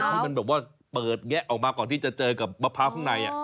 ให้มันแบบว่าเปิดแงะออกมาก่อนที่จะเจอกับมะพร้าวข้างใน